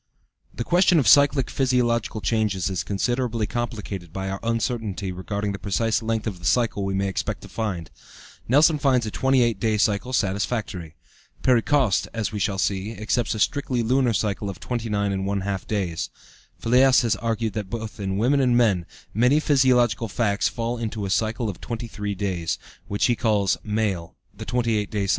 The question of cyclic physiological changes is considerably complicated by our uncertainty regarding the precise length of the cycle we may expect to find. Nelson finds a 28 day cycle satisfactory. Perry Coste, as we shall see, accepts a strictly lunar cycle of 29½ days. Fliess has argued that in both women and men, many physiological facts fall into a cycle of 23 days, which he calls male, the 28 day cycle being female. (W.